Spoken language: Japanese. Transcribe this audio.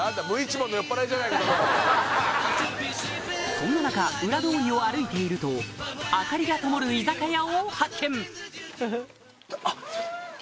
そんな中裏通りを歩いていると明かりがともる居酒屋を発見あ。